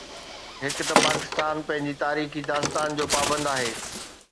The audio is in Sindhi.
هڪ ته پاڪستان پنهنجي تاريخي داستان جو پابند آهي.